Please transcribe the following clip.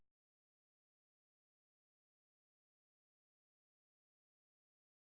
mahyara diabulkan processes of evildoing agar produkion by blastadetnie awavah misai ini